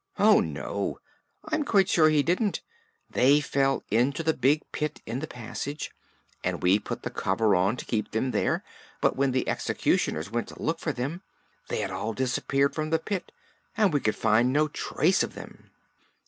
"Oh, no; I'm quite sure he didn't. They fell into the big pit in the passage, and we put the cover on to keep them there; but when the executioners went to look for them they had all disappeared from the pit and we could find no trace of them."